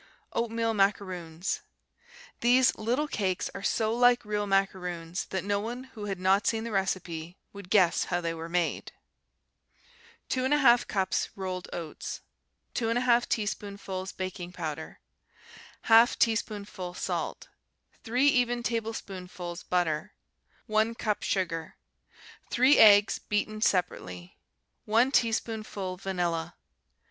Oatmeal Macaroons These little cakes are so like real macaroons that no one who had not seen the recipe would guess how they were made. 2 1/2 cups rolled oats. 2 1/2 teaspoonfuls baking powder. 1/2 teaspoonful salt. 3 even tablespoonfuls butter. 1 cup sugar. 3 eggs, beaten separately. 1 teaspoonful vanilla.